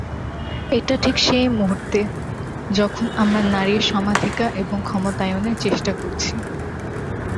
এটা ঠিক সেই মুহূর্তে, যখন আমরা নারীর সমাধিকার এবং ক্ষমতায়নের চেষ্টা করছি।